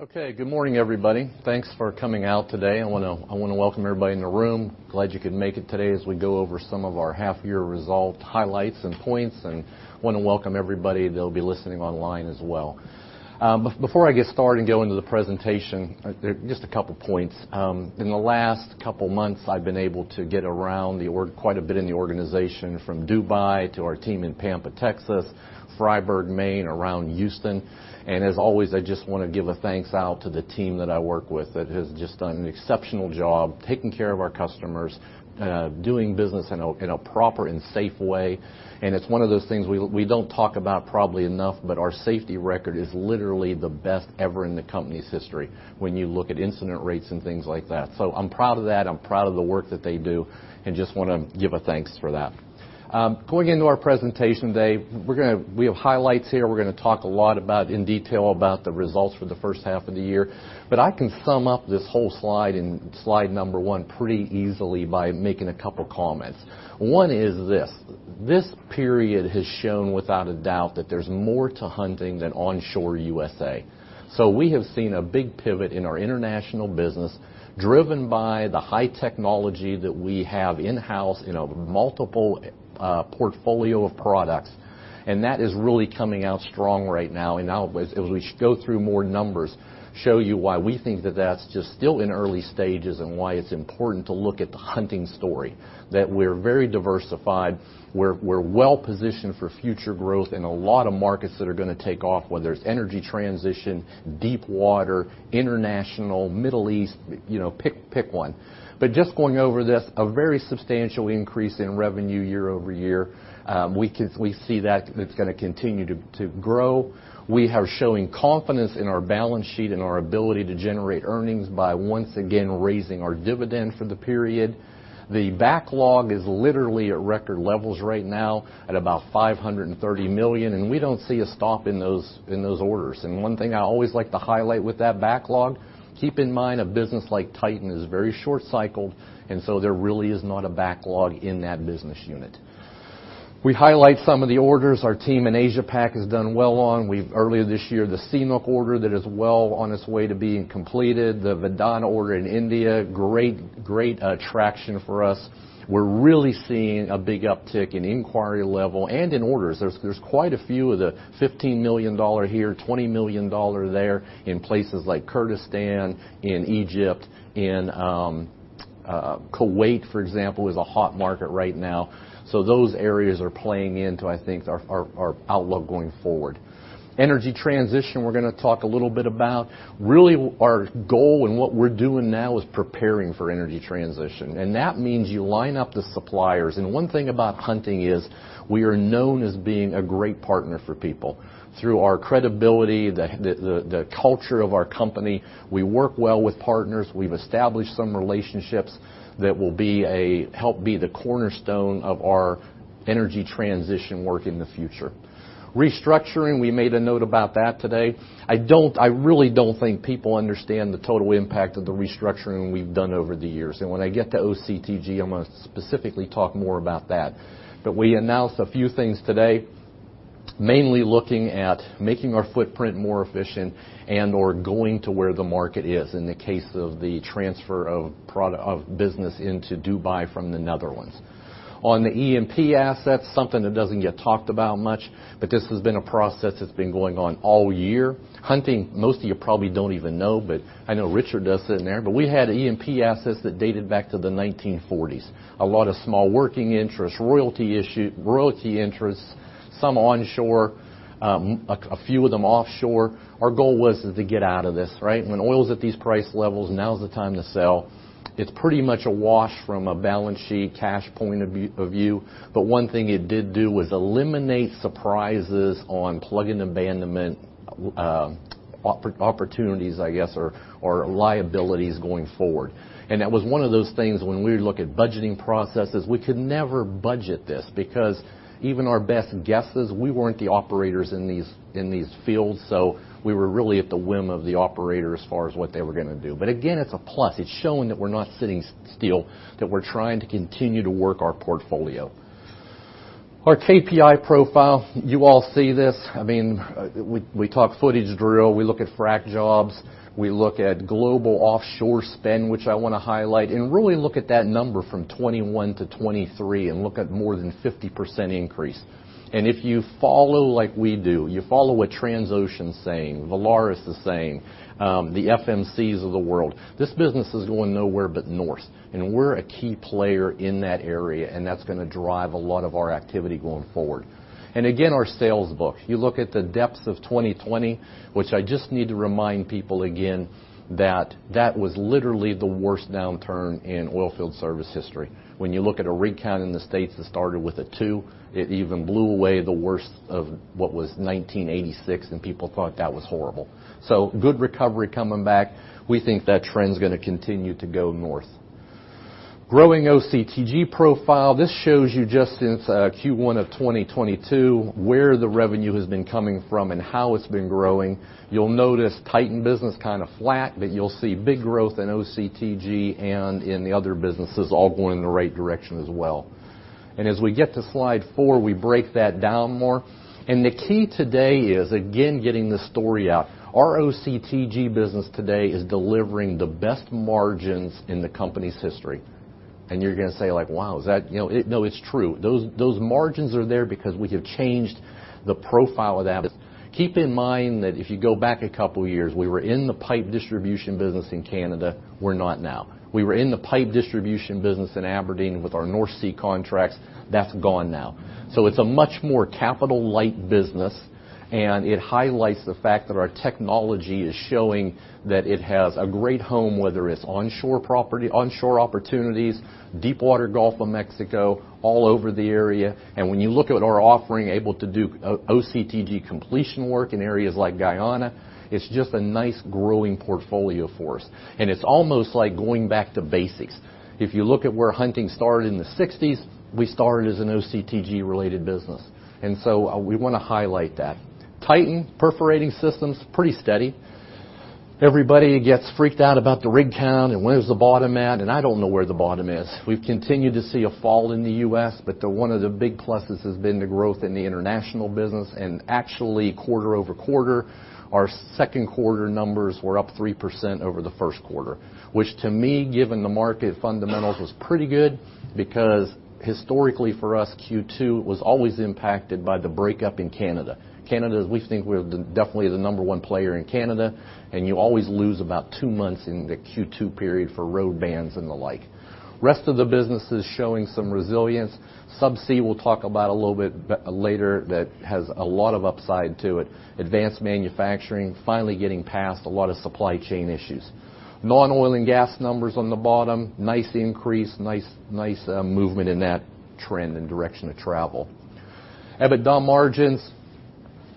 Okay, good morning, everybody. Thanks for coming out today. I want to, I want to welcome everybody in the room. Glad you could make it today as we go over some of our half-year result highlights and points and want to welcome everybody that'll be listening online as well. Before I get started and go into the presentation, there are just a couple points. In the last couple months, I've been able to get around quite a bit in the organization, from Dubai to our team in Pampa, Texas, Fryeburg, Maine, around Houston. And as always, I just want to give a thanks out to the team that I work with that has just done an exceptional job taking care of our customers, doing business in a proper and safe way. It's one of those things we, we don't talk about probably enough, but our safety record is literally the best ever in the company's history when you look at incident rates and things like that. So, I'm proud of that, I'm proud of the work that they do, and just want to give a thanks for that. Going into our presentation today, we're gonna, we have highlights here. We're going to talk a lot about, in detail, about the results for the first half of the year. But I can sum up this whole slide in slide number one pretty easily by making a couple comments. One is this: this period has shown without a doubt that there's more to Hunting than onshore USA. So we have seen a big pivot in our international business, driven by the high technology that we have in-house in a multiple portfolio of products, and that is really coming out strong right now. And now, as we go through more numbers, show you why we think that that's just still in early stages, and why it's important to look at the Hunting story, that we're very diversified. We're well positioned for future growth in a lot of markets that are going to take off, whether it's energy transition, deep water, international, Middle East, you know, pick one. But just going over this, a very substantial increase in revenue year-over-year. We see that it's going to continue to grow. We are showing confidence in our balance sheet and our ability to generate earnings by once again raising our dividend for the period. The backlog is literally at record levels right now, at about $530 million, and we don't see a stop in those, in those orders. One thing I always like to highlight with that backlog, keep in mind, a business like Titan is very short cycled, and so there really is not a backlog in that business unit. We highlight some of the orders our team in Asia Pac has done well on. We've earlier this year, the CNOOC order that is well on its way to being completed, the Vadodara order in India, great, great attraction for us. We're really seeing a big uptick in inquiry level and in orders. There's quite a few of the $15 million here, $20 million there in places like Kurdistan, in Egypt, in Kuwait, for example, is a hot market right now. So those areas are playing into, I think, our outlook going forward. Energy transition, we're going to talk a little bit about. Really, our goal and what we're doing now is preparing for energy transition, and that means you line up the suppliers. And one thing about Hunting is we are known as being a great partner for people. Through our credibility, the culture of our company, we work well with partners. We've established some relationships that will be a help be the cornerstone of our energy transition work in the future. Restructuring, we made a note about that today. I don't, I really don't think people understand the total impact of the restructuring we've done over the years. And when I get to OCTG, I'm going to specifically talk more about that. But we announced a few things today, mainly looking at making our footprint more efficient and/or going to where the market is, in the case of the transfer of product, of business into Dubai from the Netherlands. On the E&P assets, something that doesn't get talked about much, but this has been a process that's been going on all year. Hunting, most of you probably don't even know, but I know Richard does, sitting there, but we had E&P assets that dated back to the 1940s. A lot of small working interests, royalty interests, some onshore, a few of them offshore. Our goal was to get out of this, right? When oil's at these price levels, now's the time to sell. It's pretty much a wash from a balance sheet cash point of view. But one thing it did do was eliminate surprises on plug and abandonment opportunities, I guess, or liabilities going forward. And that was one of those things when we would look at budgeting processes, we could never budget this because even our best guesses, we weren't the operators in these fields, so we were really at the whim of the operator as far as what they were going to do. But again, it's a plus. It's showing that we're not sitting still, that we're trying to continue to work our portfolio. Our KPI profile, you all see this. I mean, we talk footage drill, we look at frac jobs, we look at global offshore spend, which I want to highlight, and really look at that number from 2021 to 2023 and look at more than 50% increase. If you follow like we do, you follow what Transocean's saying, Valaris is saying, the FMC's of the world, this business is going nowhere but north, and we're a key player in that area, and that's going to drive a lot of our activity going forward. Again, our sales book. You look at the depths of 2020, which I just need to remind people again that was literally the worst downturn in oil field service history. When you look at a rig count in the States that started with a two, it even blew away the worst of what was 1986, and people thought that was horrible. So good recovery coming back. We think that trend's going to continue to go north. Growing OCTG profile. This shows you just since first quarter of 2022, where the revenue has been coming from and how it's been growing. You'll notice Titan business kind of flat, but you'll see big growth in OCTG and in the other businesses all going in the right direction as well. And as we get to slide four, we break that down more. And the key today is, again, getting the story out. Our OCTG business today is delivering the best margins in the company's history. And you're gonna say like, "Wow, is that?" You know, it - no, it's true. Those, those margins are there because we have changed the profile of that. Keep in mind that if you go back a couple of years, we were in the pipe distribution business in Canada; we're not now. We were in the pipe distribution business in Aberdeen with our North Sea contracts; that's gone now. So it's a much more capital-light business, and it highlights the fact that our technology is showing that it has a great home, whether it's onshore property, onshore opportunities, deepwater Gulf of Mexico, all over the area. And when you look at our offering, able to do OCTG completion work in areas like Guyana, it's just a nice growing portfolio for us, and it's almost like going back to basics. If you look at where Hunting started in the 1960s, we started as an OCTG-related business, and so we wanna highlight that. Titan Perforating Systems, pretty steady. Everybody gets freaked out about the rig count, and when is the bottom at? And I don't know where the bottom is. We've continued to see a fall in the US, but one of the big pluses has been the growth in the international business. And actually, quarter-over-quarter, our second quarter numbers were up 3% over the first quarter, which to me, given the market fundamentals, was pretty good because historically for us, second quarter was always impacted by the breakup in Canada. Canada, we think we're the, definitely the number one player in Canada, and you always lose about two months in the second quarter period for road bans and the like. Rest of the business is showing some resilience. Subsea, we'll talk about a little bit later, that has a lot of upside to it. Advanced Manufacturing, finally getting past a lot of supply chain issues. Non-oil and gas numbers on the bottom, nice increase, nice, nice, movement in that trend and direction of travel. EBITDA margins,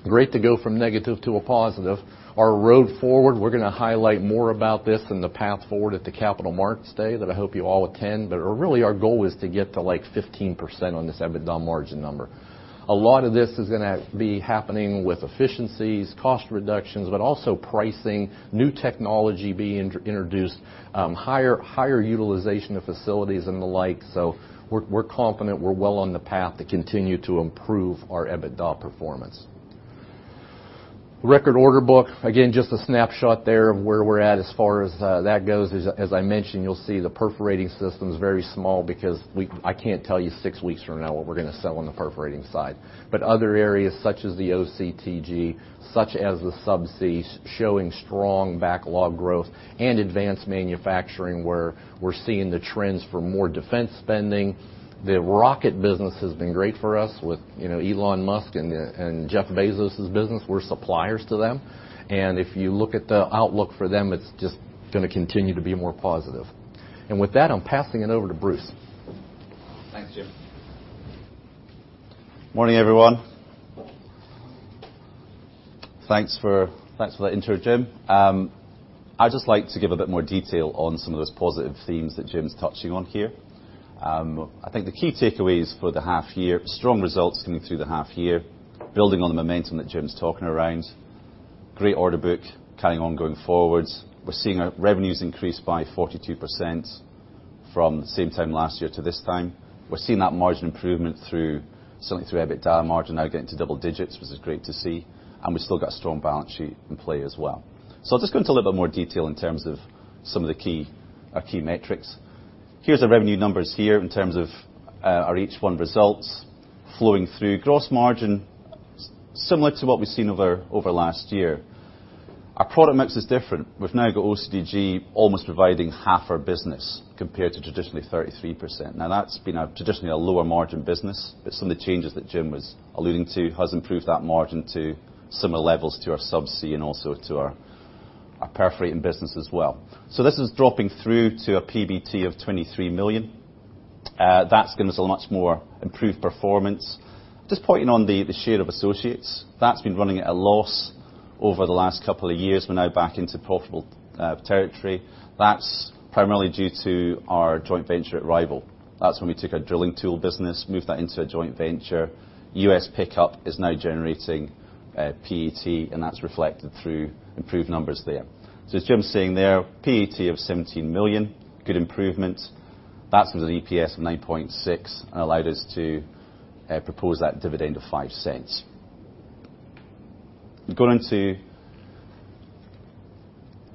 great to go from negative to a positive. Our road forward, we're gonna highlight more about this in the path forward at the Capital Markets Day, that I hope you all attend. But really, our goal is to get to, like, 15% on this EBITDA margin number. A lot of this is gonna be happening with efficiencies, cost reductions, but also pricing, new technology being introduced, higher utilization of facilities and the like. So we're confident we're well on the path to continue to improve our EBITDA performance. Record order book, again, just a snapshot there of where we're at as far as that goes. As I mentioned, you'll see the perforating system is very small because we, I can't tell you six weeks from now what we're gonna sell on the perforating side. But other areas such as the OCTG, such as the Subsea, showing strong backlog growth and advanced manufacturing, where we're seeing the trends for more defense spending. The rocket business has been great for us with, you know, Elon Musk and Jeff Bezos's business, we're suppliers to them, and if you look at the outlook for them, it's just gonna continue to be more positive. And with that, I'm passing it over to Bruce. Thanks, Jim. Morning, everyone. Thanks for that intro, Jim. I'd just like to give a bit more detail on some of those positive themes that Jim's touching on here. I think the key takeaways for the half year, strong results coming through the half year, building on the momentum that Jim's talking around. Great order book, carrying on going forwards. We're seeing our revenues increase by 42% from the same time last year to this time. We're seeing that margin improvement through, certainly through EBITDA margin, now getting to double digits, which is great to see, and we still got a strong balance sheet in play as well. So I'll just go into a little bit more detail in terms of some of the key metrics. Here's our revenue numbers here in terms of our H1 results flowing through. Gross margin, similar to what we've seen over last year. Our product mix is different. We've now got OCTG almost providing half our business, compared to traditionally 33%. Now, that's been a traditionally a lower margin business, but some of the changes that Jim was alluding to has improved that margin to similar levels to our Subsea and also to our perforating business as well. So this is dropping through to a PBT of 23 million. That's given us a much more improved performance. Just pointing on the share of associates, that's been running at a loss over the last couple of years. We're now back into profitable territory. That's primarily due to our joint venture at Rival. That's when we took our drilling tool business, moved that into a joint venture. US pickup is now generating PBT, and that's reflected through improved numbers there. So, as Jim was saying there, PBT of £17 million, good improvement. That's from the EPS of $0.096 and allowed us to propose that dividend of $0.05. Going into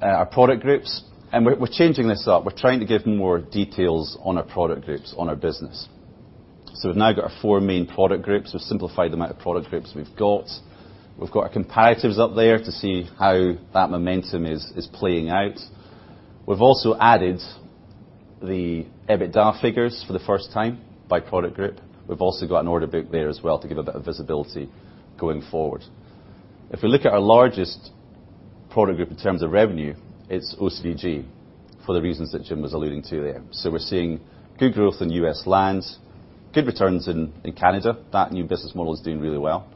our product groups, and we're changing this up. We're trying to give more details on our product groups, on our business. So, we've now got our four main product groups. We've simplified the amount of product groups we've got. We've got our comparatives up there to see how that momentum is playing out. We've also added the EBITDA figures for the first time by product group. We've also got an order book there as well to give a bit of visibility going forward. If we look at our largest product group in terms of revenue, it's OCTG, for the reasons that Jim was alluding to there. So we're seeing good growth in US lands, good returns in Canada. That new business model is doing really well.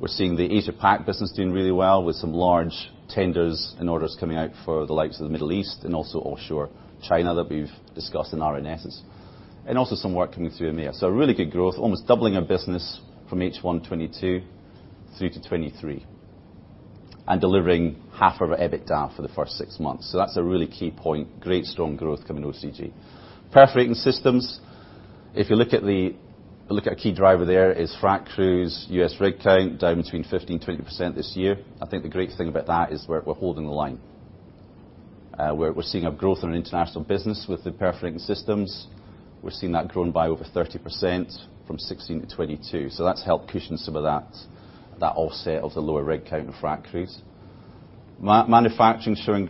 We're seeing the Asia Pac business doing really well, with some large tenders and orders coming out for the likes of the Middle East and also offshore China, that we've discussed in RNS, and also some work coming through EMEA. So, a really good growth, almost doubling our business from H1 2022 through to 2023... and delivering half of our EBITDA for the first six months. So that's a really key point. Great strong growth coming OCTG. Perforating systems, if you look at a key driver there is frac crews, US rig count, down between 15% to 20% this year. I think the great thing about that is we're holding the line. We're seeing a growth in our international business with the perforating systems. We're seeing that grown by over 30% from 2016 to 2022. So that's helped cushion some of that offset of the lower rig count in frac crews. Manufacturing showing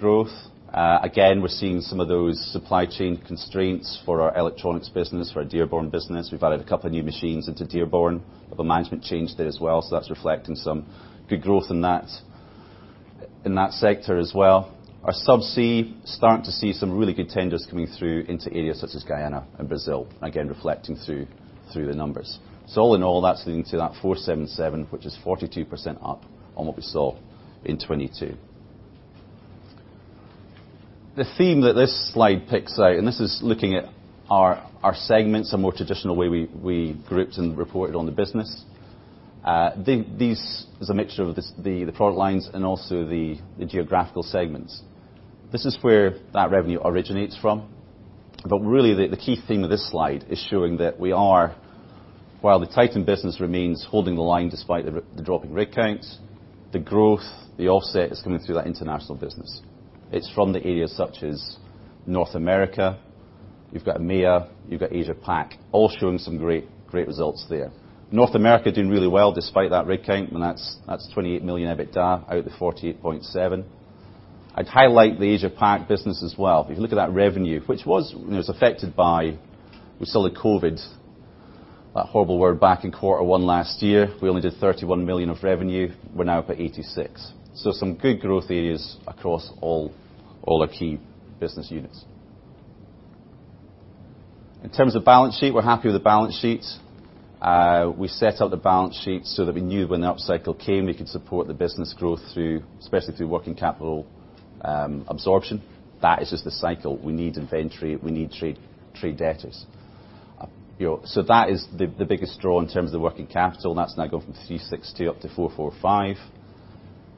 growth. Again, we're seeing some of those supply chain constraints for our electronics business, for our Dearborn business. We've added a couple of new machines into Dearborn, have a management change there as well, so that's reflecting some good growth in that sector as well. Our Subsea, starting to see some really good tenders coming through into areas such as Guyana and Brazil, again, reflecting through the numbers. So all in all, that's leading to that 477, which is 42% up on what we saw in 2022. The theme that this slide picks out, and this is looking at our, our segments, a more traditional way we, we grouped and reported on the business. These is a mixture of the the product lines and also the, the geographical segments. This is where that revenue originates from. But really, the, the key theme of this slide is showing that we are... While the Titan business remains holding the line despite the the dropping rig counts, the growth, the offset is coming through that international business. It's from the areas such as North America. You've got EMEA, you've got Asia Pac, all showing some great, great results there. North America doing really well despite that rig count, and that's $28 million EBITDA out of the $48.7 million. I'd highlight the Asia Pac business as well. If you look at that revenue, which was, you know, affected by, we saw the COVID, that horrible word, back in quarter one last year. We only did $31 million of revenue, we're now up at $86 million. So some good growth areas across all our key business units. In terms of balance sheet, we're happy with the balance sheet. We set up the balance sheet so that we knew when the upcycle came, we could support the business growth through, especially through working capital absorption. That is just the cycle. We need inventory, we need trade debtors. You know, so that is the biggest draw in terms of the working capital, and that's now gone from $360 to 445.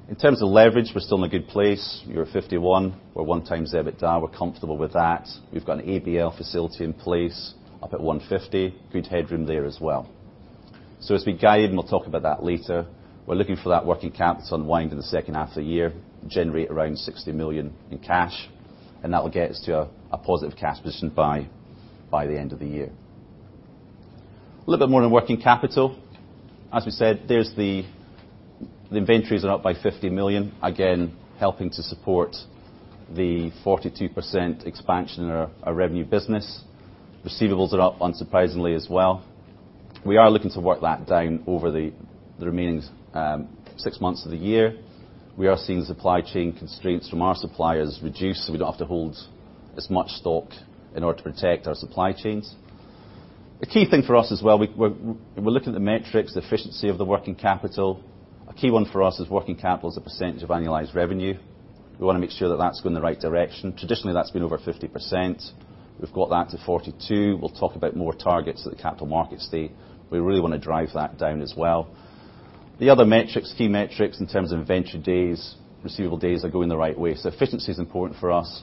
In terms of leverage, we're still in a good place. We're at $51. We're 1x EBITDA. We're comfortable with that. We've got an ABL facility in place up at $150. Good headroom there as well. So as we guided, and we'll talk about that later, we're looking for that working capital to unwind in the second half of the year, generate around $60 million in cash, and that will get us to a positive cash position by the end of the year. A little bit more on working capital. As we said, the inventories are up by $50 million, again, helping to support the 42% expansion in our revenue business. Receivables are up, unsurprisingly, as well. We are looking to work that down over the remaining six months of the year. We are seeing supply chain constraints from our suppliers reduce, so we don't have to hold as much stock in order to protect our supply chains. The key thing for us as well, we're looking at the metrics, the efficiency of the working capital. A key one for us is working capital as a percentage of annualized revenue. We wanna make sure that that's going in the right direction. Traditionally, that's been over 50%. We've got that to 42. We'll talk about more targets at the Capital Markets Day. We really wanna drive that down as well. The other metrics, key metrics, in terms of inventory days, receivable days, are going the right way. Efficiency is important for us,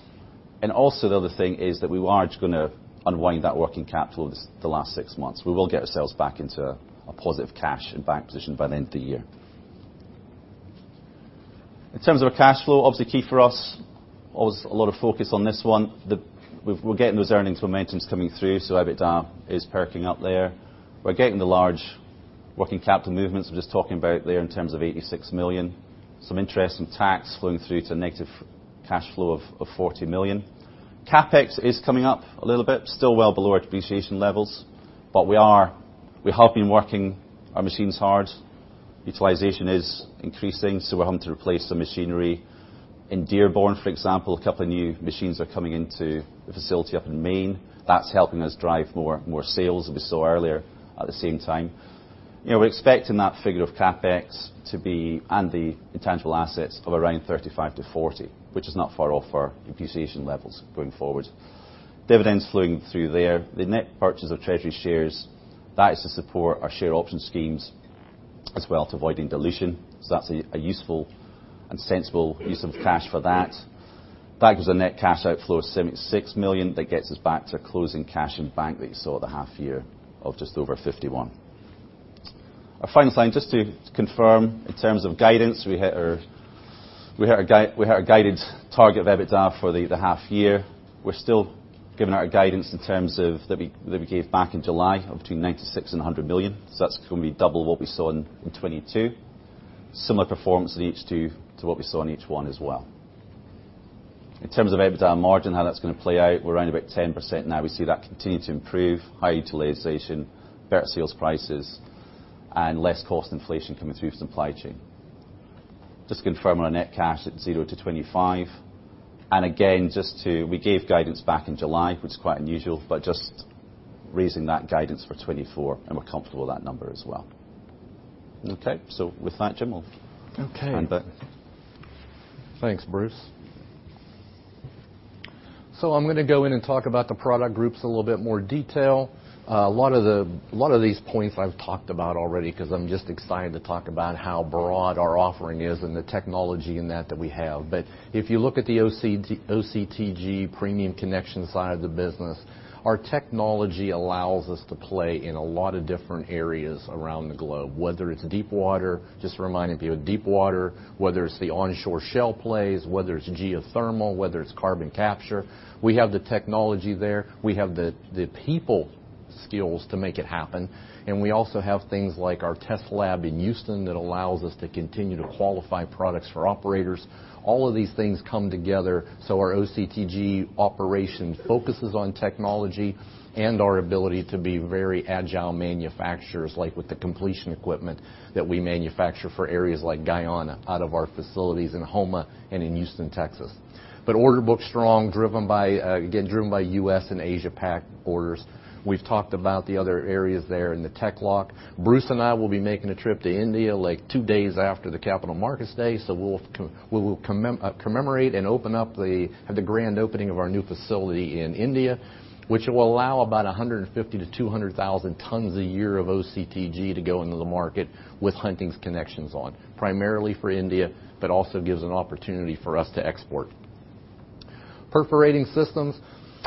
and also the other thing is that we are just gonna unwind that working capital over this, the last six months. We will get ourselves back into a positive cash and bank position by the end of the year. In terms of our cash flow, obviously key for us. Always a lot of focus on this one. We've, we're getting those earnings momentums coming through, so EBITDA is perking up there. We're getting the large working capital movements we're just talking about there in terms of $86 million. Some interest and tax flowing through to a negative cash flow of 40 million. CapEx is coming up a little bit, still well below our depreciation levels, but we are- we have been working our machines hard. Utilization is increasing, so we're having to replace some machinery. In Dearborn, for example, a couple of new machines are coming into the facility up in Maine. That's helping us drive more, more sales, as we saw earlier. At the same time, you know, we're expecting that figure of CapEx to be, and the intangible assets, of around $35 to 40 million, which is not far off our depreciation levels going forward. Dividends flowing through there. The net purchase of treasury shares, that is to support our share option schemes as well to avoiding dilution, so that's a, a useful and sensible use of cash for that. That gives a net cash outflow of $76 million. That gets us back to closing cash and bank that you saw at the half year of just over $51 million. Our final slide, just to confirm in terms of guidance, we hit our guided target of EBITDA for the half year. We're still giving our guidance in terms of that we gave back in July of between $96 million and $100 million. So that's gonna be double what we saw in 2022. Similar performance in H2 to what we saw in H1 as well. In terms of EBITDA margin, how that's gonna play out, we're around about 10% now. We see that continuing to improve, high utilization, better sales prices, and less cost inflation coming through supply chain. Just to confirm on our net cash, it's $0 to 25 million. And again, just to. We gave guidance back in July, which is quite unusual, but just raising that guidance for 2024, and we're comfortable with that number as well. Okay. So with that, Jim, we'll... Okay. Hand back. Thanks, Bruce. So I'm gonna go in and talk about the product groups in a little bit more detail. A lot of the, a lot of these points I've talked about already, 'cause I'm just excited to talk about how broad our offering is and the technology in that, that we have. But if you look at the OC, OCTG premium connection side of the business, our technology allows us to play in a lot of different areas around the globe, whether it's deep water, just a reminder to you, deep water, whether it's the onshore shale plays, whether it's geothermal, whether it's carbon capture, we have the technology there. We have the, the people skills to make it happen, and we also have things like our test lab in Houston that allows us to continue to qualify products for operators. All of these things come together, so our OCTG operation focuses on technology and our ability to be very agile manufacturers, like with the completion equipment that we manufacture for areas like Guyana, out of our facilities in Houma and in Houston, Texas. But order book strong, driven by, again, driven by US and Asia PAC orders. We've talked about the other areas there in the Techlok. Bruce and I will be making a trip to India, like, two days after the Capital Markets Day, so we will commemorate and have the grand opening of our new facility in India, which will allow about 150,000 t200,000 tons a year of OCTG to go into the market with Hunting's connections on, primarily for India, but also gives an opportunity for us to export. Perforating systems.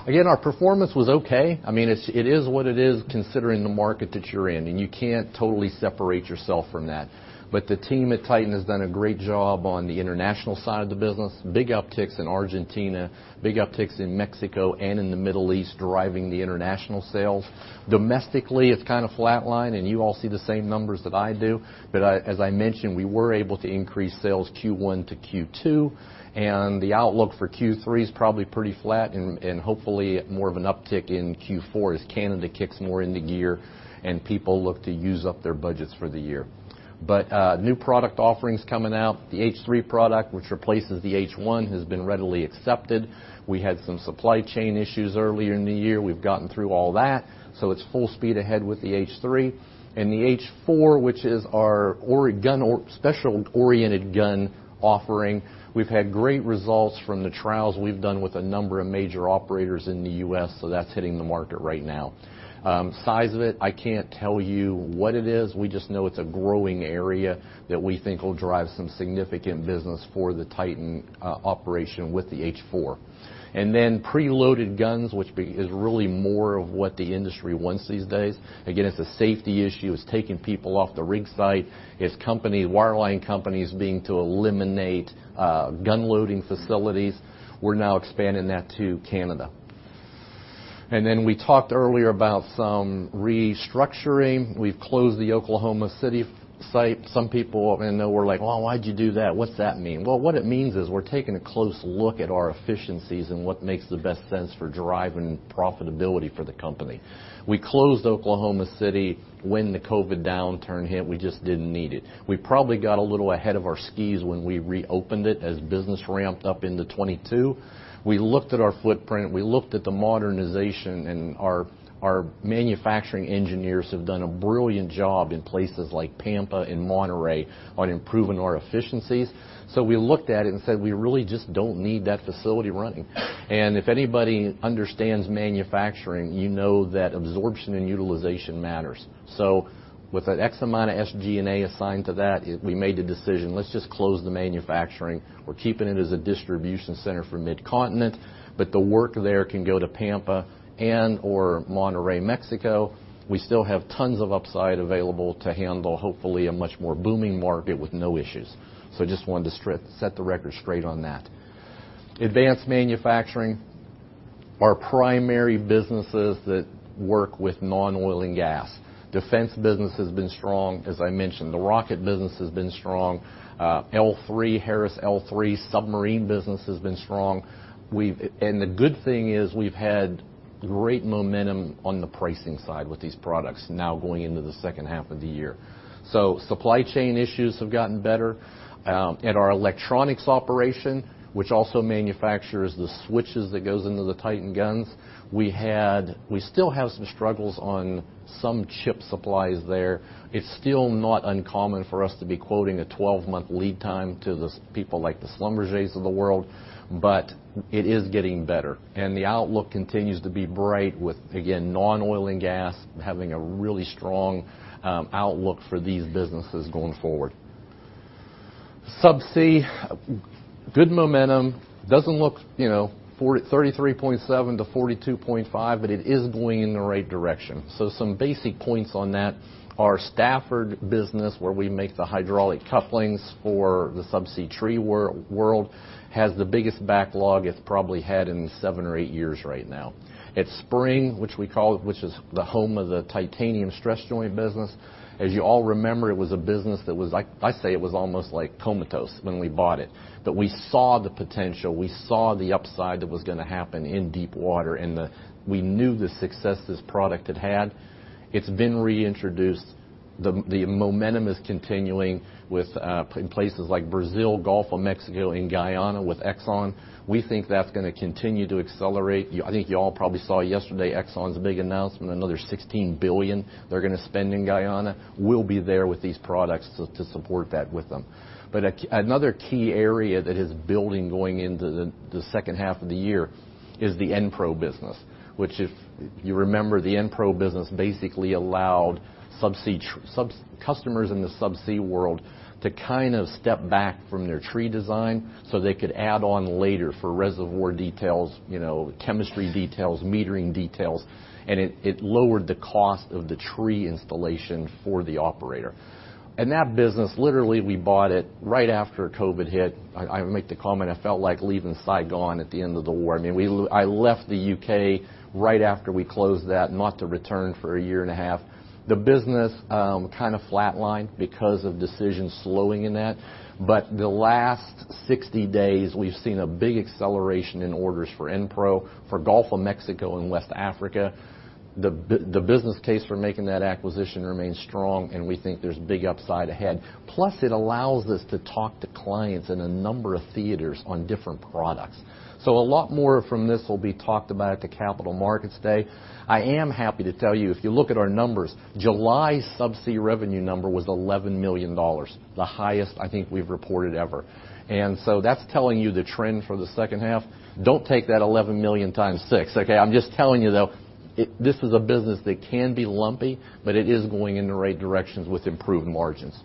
Again, our performance was okay. I mean, it's, it is what it is, considering the market that you're in, and you can't totally separate yourself from that. But the team at Titan has done a great job on the international side of the business. Big upticks in Argentina, big upticks in Mexico and in the Middle East, driving the international sales. Domestically, it's kind of flatlined, and you all see the same numbers that I do. But I, as I mentioned, we were able to increase sales first quarter to second quarter, and the outlook for third quarter is probably pretty flat and, and hopefully more of an uptick in fourth quarter as Canada kicks more into gear and people look to use up their budgets for the year. But, new product offerings coming out, the H3 product, which replaces the H1, has been readily accepted. We had some supply chain issues earlier in the year. We've gotten through all that, so it's full speed ahead with the H3. And the H4, which is our oriented gun or special-oriented gun offering, we've had great results from the trials we've done with a number of major operators in the US, so that's hitting the market right now. Size of it, I can't tell you what it is. We just know it's a growing area that we think will drive some significant business for the Titan operation with the H4. And then preloaded guns, which is really more of what the industry wants these days. Again, it's a safety issue. It's taking people off the rig site. It's company, wireline companies, beginning to eliminate gun loading facilities. We're now expanding that to Canada. And then we talked earlier about some restructuring. We've closed the Oklahoma City site. Some people I know were like, "Well, why'd you do that? What's that mean?" Well, what it means is we're taking a close look at our efficiencies and what makes the best sense for driving profitability for the company. We closed Oklahoma City when the COVID downturn hit. We just didn't need it. We probably got a little ahead of our skis when we reopened it as business ramped up into 2022. We looked at our footprint, we looked at the modernization, and our manufacturing engineers have done a brilliant job in places like Pampa and Monterrey on improving our efficiencies. So we looked at it and said, "We really just don't need that facility running." If anybody understands manufacturing, you know that absorption and utilization matters. So with that X amount of SG&A assigned to that, we made the decision, let's just close the manufacturing. We're keeping it as a distribution center for Mid-Continent, but the work there can go to Pampa and or Monterrey, Mexico. We still have tons of upside available to handle, hopefully, a much more booming market with no issues. So just wanted to set the record straight on that. Advanced manufacturing, our primary businesses that work with non-oil and gas. Defense business has been strong, as I mentioned. The rocket business has been strong. L3Harris submarine business has been strong. And the good thing is, we've had great momentum on the pricing side with these products now going into the second half of the year. So supply chain issues have gotten better. At our electronics operation, which also manufactures the switches that goes into the Titan guns, we still have some struggles on some chip supplies there. It's still not uncommon for us to be quoting a 12-month lead time to the service people like the Schlumbergers of the world, but it is getting better. The outlook continues to be bright with, again, non-oil and gas, having a really strong outlook for these businesses going forward. Subsea, good momentum. Doesn't look, you know, $33.7 to 42.5, but it is going in the right direction. So some basic points on that, our Stafford business, where we make the hydraulic couplings for the subsea tree world, has the biggest backlog it's probably had in seven or eight years right now. At Spring, which we call, which is the home of the Titanium Stress Joint business, as you all remember, it was a business that was, like, I say it was almost, like, comatose when we bought it. But we saw the potential, we saw the upside that was gonna happen in deep water, and the—we knew the success this product had had. It's been reintroduced. The momentum is continuing with in places like Brazil, Gulf of Mexico, in Guyana with Exxon. We think that's going to continue to accelerate. I think you all probably saw yesterday, Exxon's big announcement, another $16 billion they're going to spend in Guyana. We'll be there with these products to support that with them. But another key area that is building going into the second half of the year is the Enpro business, which if you remember, the Enpro business basically allowed subsea customers in the subsea world to kind of step back from their tree design so they could add on later for reservoir details, you know, chemistry details, metering details, and it lowered the cost of the tree installation for the operator. And that business, literally, we bought it right after COVID hit. I would make the comment, I felt like leaving Saigon at the end of the war. I mean, we left the UK right after we closed that, not to return for a year and a half. The business kind of flatlined because of decisions slowing in that. But the last 60 days, we've seen a big acceleration in orders for Enpro, for Gulf of Mexico and West Africa. The the business case for making that acquisition remains strong, and we think there's big upside ahead. Plus, it allows us to talk to clients in a number of theaters on different products. So a lot more from this will be talked about at the Capital Markets Day. I am happy to tell you, if you look at our numbers, July subsea revenue number was $11 million, the highest I think we've reported ever. And so that's telling you the trend for the second half. Don't take that $11 million times six, okay? I'm just telling you, though, it-- this is a business that can be lumpy, but it is going in the right directions with improved margins.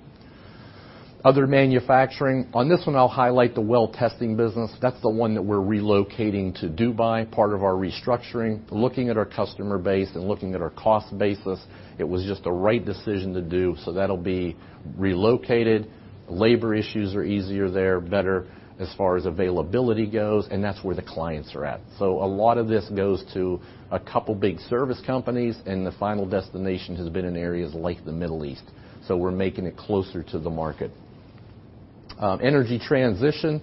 Other manufacturing. On this one, I'll highlight the well testing business. That's the one that we're relocating to Dubai, part of our restructuring. Looking at our customer base and looking at our cost basis, it was just the right decision to do, so that'll be relocated. Labor issues are easier there, better as far as availability goes, and that's where the clients are at. So a lot of this goes to a couple big service companies, and the final destination has been in areas like the Middle East, so we're making it closer to the market. Energy transition.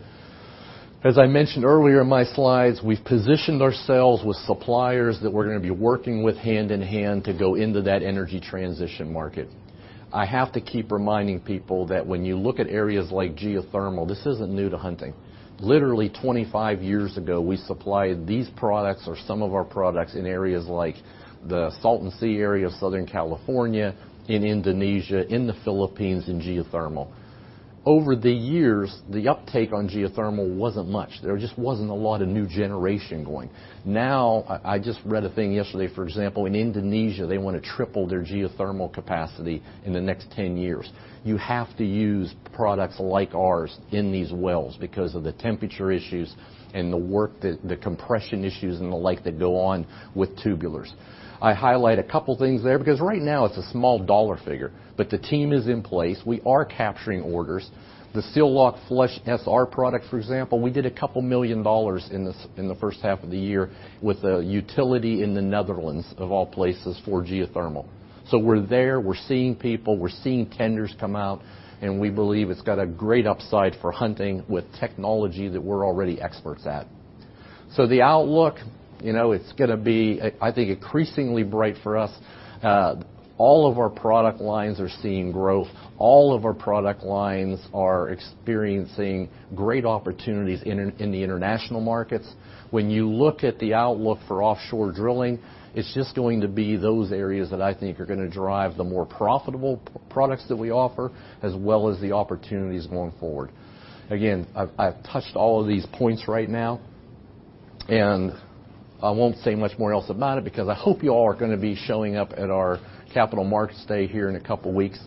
As I mentioned earlier in my slides, we've positioned ourselves with suppliers that we're going to be working with hand in hand to go into that energy transition market. I have to keep reminding people that when you look at areas like geothermal, this isn't new to Hunting. Literally, 25 years ago, we supplied these products or some of our products in areas like the Salton Sea area of Southern California, in Indonesia, in the Philippines, in geothermal. Over the years, the uptake on geothermal wasn't much. There just wasn't a lot of new generation going. Now, I, I just read a thing yesterday, for example, in Indonesia, they want to triple their geothermal capacity in the next 10 years. You have to use products like ours in these wells because of the temperature issues and the work that, the compression issues and the like that go on with tubulars. I highlight a couple things there because right now it's a small dollar figure, but the team is in place. We are capturing orders. The SEAL-LOCK Flush SR product, for example, we did $2 million in this, in the first half of the year with a utility in the Netherlands, of all places, for geothermal. So we're there, we're seeing people, we're seeing tenders come out, and we believe it's got a great upside for Hunting with technology that we're already experts at. So the outlook, you know, it's going to be, I, I think, increasingly bright for us. All of our product lines are seeing growth. All of our product lines are experiencing great opportunities in, in the international markets. When you look at the outlook for offshore drilling, it's just going to be those areas that I think are going to drive the more profitable products that we offer, as well as the opportunities going forward. Again, I've, I've touched all of these points right now, and I won't say much more else about it because I hope you all are going to be showing up at our Capital Markets Day here in a couple of weeks.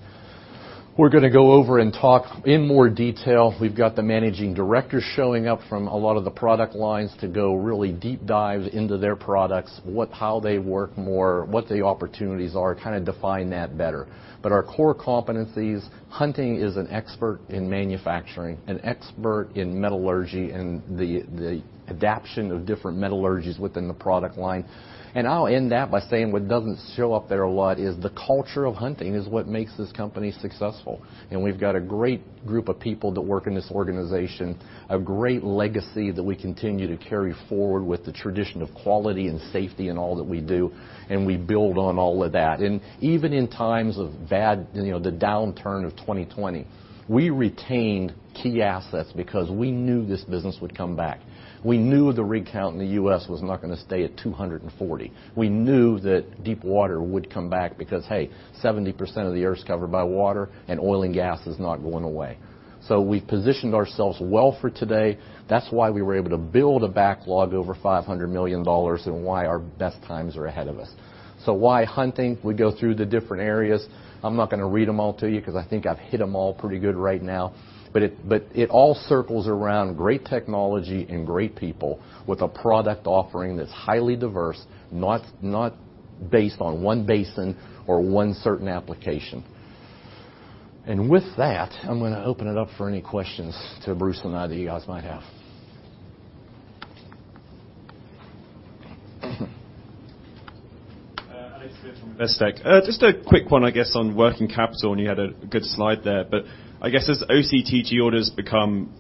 We're going to go over and talk in more detail. We've got the managing directors showing up from a lot of the product lines to go really deep dive into their products, what, how they work more, what the opportunities are, kind of define that better. But our core competencies, Hunting is an expert in manufacturing, an expert in metallurgy and the, the adaption of different metallurgies within the product line. And I'll end that by saying what doesn't show up there a lot is the culture of Hunting is what makes this company successful. We've got a great group of people that work in this organization, a great legacy that we continue to carry forward with the tradition of quality and safety in all that we do, and we build on all of that. Even in times of bad, you know, the downturn of 2020, we retained key assets because we knew this business would come back. We knew the rig count in the US was not going to stay at 240. We knew that deep water would come back because, hey, 70% of the earth's covered by water, and oil and gas is not going away. So we've positioned ourselves well for today. That's why we were able to build a backlog over $500 million and why our best times are ahead of us. So why Hunting? We go through the different areas. I'm not going to read them all to you because I think I've hit them all pretty good right now. But it all circles around great technology and great people with a product offering that's highly diverse, not based on one basin or one certain application. With that, I'm going to open it up for any questions to Bruce and I that you guys might have. Alex Smith from Investec. Just a quick one, I guess, on working capital, and you had a good slide there. But I guess as OCTG orders become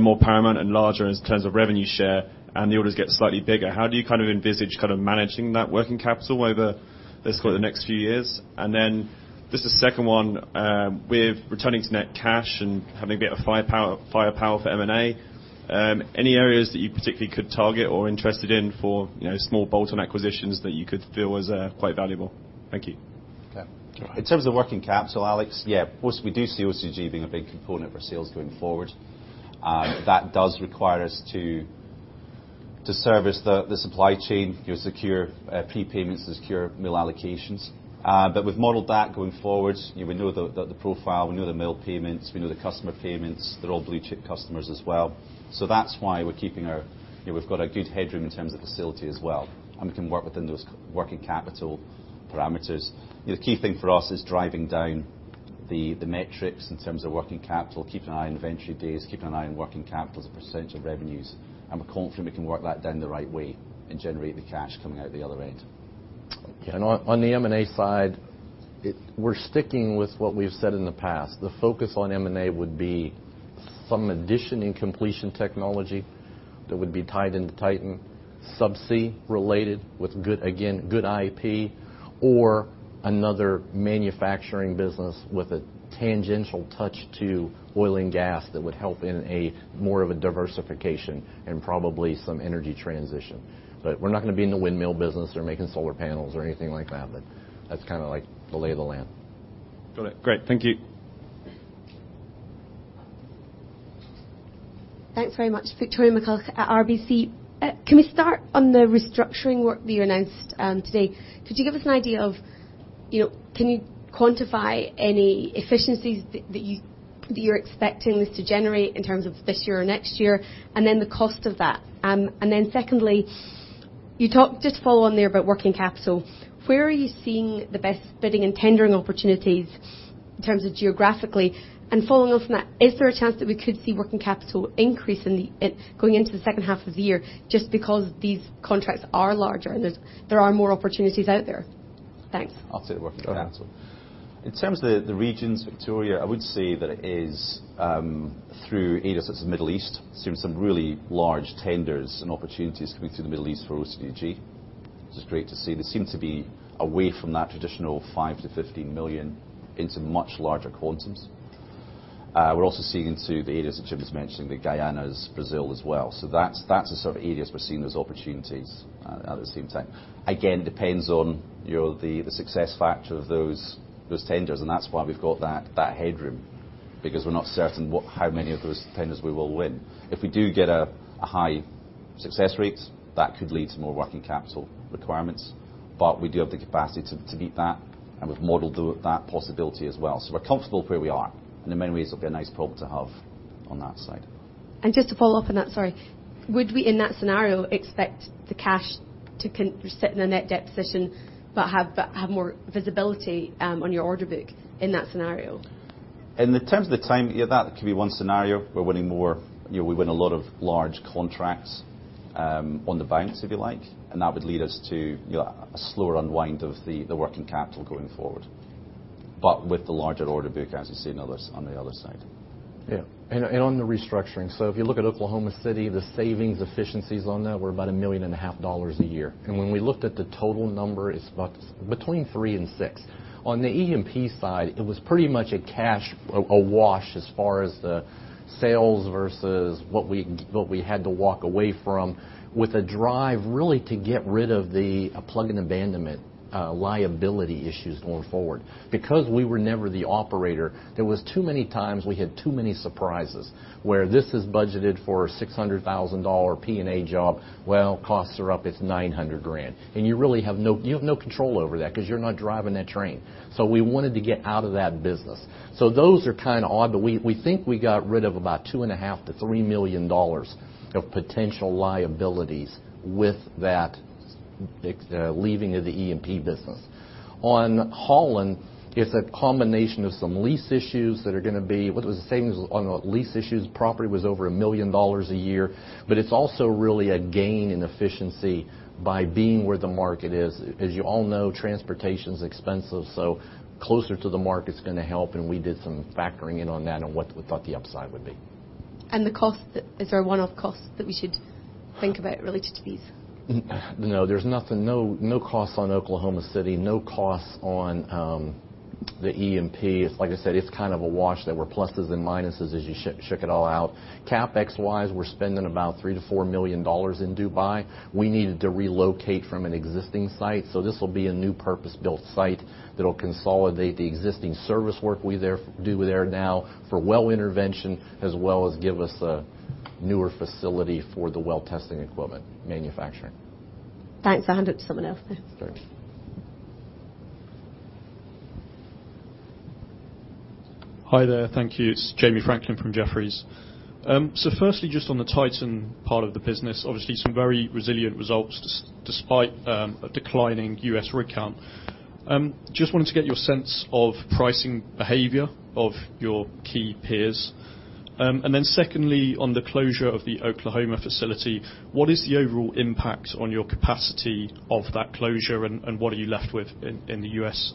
more paramount and larger in terms of revenue share, and the orders get slightly bigger, how do you kind of envisage kind of managing that working capital over, let's call it, the next few years? And then just a second one, with returning to net cash and having a bit of firepower, firepower for M&A, any areas that you particularly could target or are interested in for, you know, small bolt-on acquisitions that you could feel was quite valuable? Thank you. Okay. Go ahead. In terms of working capital, Alex, yeah, of course, we do see OCTG being a big component for sales going forward. And that does require us to service the supply chain, you know, secure prepayments and secure mill allocations. But we've modeled that going forward. You know, we know the profile, we know the mill payments, we know the customer payments. They're all blue chip customers as well. So that's why we're keeping our... You know, we've got a good headroom in terms of facility as well, and we can work within those working capital parameters. The key thing for us is driving down the metrics in terms of working capital, keeping an eye on inventory days, keeping an eye on working capital as a percentage of revenues. We're confident we can work that down the right way and generate the cash coming out the other end. Yeah, and on the M&A side, it, we're sticking with what we've said in the past. The focus on M&A would be some addition in completion technology that would be tied into Titan, subsea related with good, again, good IP, or another manufacturing business with a tangential touch to oil and gas that would help in a more of a diversification and probably some energy transition. But we're not gonna be in the windmill business or making solar panels or anything like that, but that's kinda like the lay of the land. Got it. Great. Thank you. Thanks very much. Victoria McCulloch at RBC. Can we start on the restructuring work that you announced, um, today? Could you give us an idea of, you know, can you quantify any efficiencies that, that you, that you're expecting this to generate in terms of this year or next year, and then the cost of that? And then secondly, you talked... Just to follow on there about working capital, where are you seeing the best bidding and tendering opportunities in terms of geographically? And following on from that, is there a chance that we could see working capital increase in the, going into the second half of the year just because these contracts are larger and there's, there are more opportunities out there? Thanks. I'll take the working capital. Go ahead. In terms of the regions, Victoria, I would say that it is through areas such as the Middle East, seeing some really large tenders and opportunities coming through the Middle East for OCTG, which is great to see. They seem to be away from that traditional $5 to 15 million into much larger quantums. We're also seeing into the areas that Jim was mentioning, the Guyana, Brazil as well. So that's the sort of areas we're seeing as opportunities at the same time. Again, depends on you know the success factor of those tenders, and that's why we've got that headroom, because we're not certain what, how many of those tenders we will win. If we do get high success rates, that could lead to more working capital requirements, but we do have the capacity to meet that, and we've modeled that possibility as well. So we're comfortable where we are, and in many ways, it'll be a nice problem to have on that side. Just to follow up on that, sorry, would we, in that scenario, expect the cash to consist in a net debt position but have more visibility on your order book in that scenario? In the terms of the time, yeah, that could be one scenario. We're winning more... You know, we win a lot of large contracts on the bounce, if you like, and that would lead us to, you know, a slower unwind of the working capital going forward, but with the larger order book, as you see on the other side. Yeah. And on the restructuring, so if you look at Oklahoma City, the savings efficiencies on that were about $1.5 million a year. And when we looked at the total number, it's about between $3 million and $6 million. On the E&P side, it was pretty much a cash a wash as far as the sales versus what we had to walk away from, with a drive really to get rid of the plug and abandonment liability issues going forward. Because we were never the operator, there was too many times we had too many surprises, where this is budgeted for a $600,000 P&A job, well, costs are up, it's $900,000. And you really have no, you have no control over that, 'cause you're not driving that train. So we wanted to get out of that business. So those are kinda odd, but we think we got rid of about $2.5 to 3 million of potential liabilities with that exiting of the E&P business. On Holland, it's a combination of some lease issues that are gonna be... What was the savings on the lease issues? Property was over $1 million a year, but it's also really a gain in efficiency by being where the market is. As you all know, transportation's expensive, so closer to the market's gonna help, and we did some factoring in on that on what we thought the upside would be. The cost, is there a one-off cost that we should think about related to these? No, there's nothing, no, no costs on Oklahoma City, no costs on the E&P. It's like I said, it's kind of a wash. There were pluses and minuses as you shook it all out. CapEx-wise, we're spending about $3 to 4 million in Dubai. We needed to relocate from an existing site, so this will be a new purpose-built site that'll consolidate the existing service work we do there now for well intervention, as well as give us a newer facility for the well testing equipment manufacturing. Thanks. I'll hand it to someone else now. Thanks. Hi there. Thank you. It's Jamie Franklin from Jefferies. So firstly, just on the Titan part of the business, obviously some very resilient results despite a declining US rig count. Just wanted to get your sense of pricing behavior of your key peers. And then secondly, on the closure of the Oklahoma facility, what is the overall impact on your capacity of that closure, and what are you left with in the US...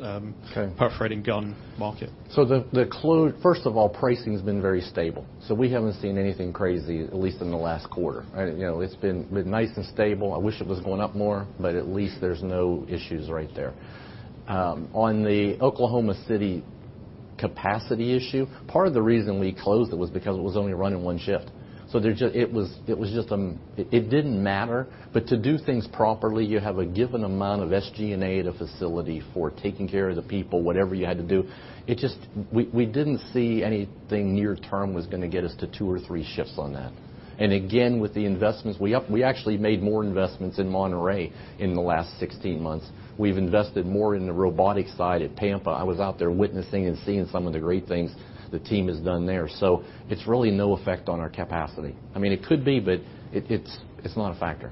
Okay. Perforating gun market? First of all, pricing has been very stable, so we haven't seen anything crazy, at least in the last quarter. I didn't, you know, it's been nice and stable. I wish it was going up more, but at least there's no issues right there. On the Oklahoma City capacity issue, part of the reason we closed it was because it was only running one shift, so there just it was just it didn't matter. But to do things properly, you have a given amount of SG&A at a facility for taking care of the people, whatever you had to do. It just, we didn't see anything near term was gonna get us to two or three shifts on that. And again, with the investments, we up, we actually made more investments in Monterrey in the last 16 months. We've invested more in the robotics side at Tampa. I was out there witnessing and seeing some of the great things the team has done there. So it's really no effect on our capacity. I mean, it could be, but it's not a factor.